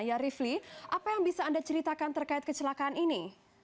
ya rifli apa yang bisa anda ceritakan terkait kecelakaan ini